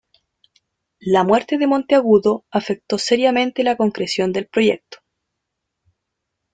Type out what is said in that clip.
La muerte de Monteagudo afectó seriamente la concreción del proyecto.